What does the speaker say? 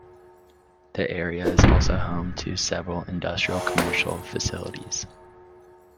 The area is also home to several industrial commercial facilities.